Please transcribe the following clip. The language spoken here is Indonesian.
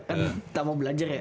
kan tak mau belajar ya